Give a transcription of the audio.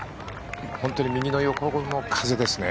本当に右の横の風ですね。